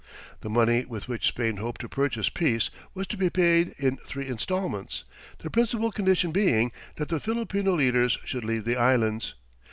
The money with which Spain hoped to purchase peace was to be paid in three instalments, the principal condition being that the Filipino leaders should leave the Islands.